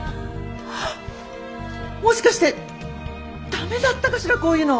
もしかしてダメだったかしらこういうの。